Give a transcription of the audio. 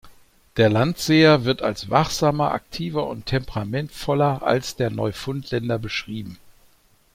Der Landseer wird als wachsamer, aktiver und temperamentvoller als der Neufundländer beschrieben.